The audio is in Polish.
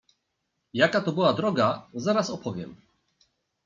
"Jaka to była droga, zaraz opowiem."